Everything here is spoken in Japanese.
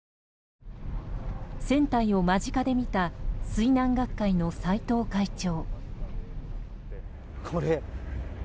船体を間近で見た水難学会の斎藤会長。